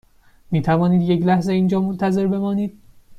می توانید یک لحظه اینجا منتظر بمانید؟